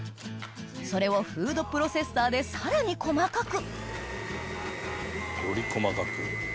それをフードプロセッサーでさらに細かくより細かく。